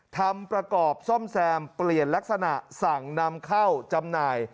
ทำประกอบซ่อมแซมเปลี่ยนลักษณะสั่งนำเข้าจำหน่าย